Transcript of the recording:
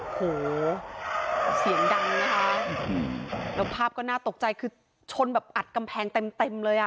โหเสียงดังนะคะแล้วภาพก็น่าตกใจคือชนแบบอัดกำแพงเต็มเต็มเลยอ่ะ